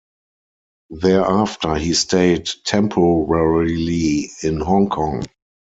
Thereafter, he stayed temporarily in Hong Kong.